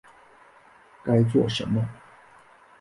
该做什么